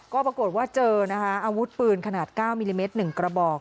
ก็ปรากฏว่าเจอนะคะอาวุธปืนขนาด๙มิลลิเมตร๑กระบอก